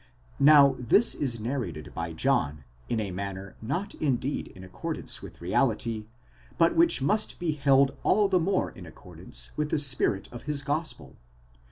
Now this is narrated by John, in a manner not indeed in accordance with reality, but which must be held all the more in accordance with the spirit of his gospel.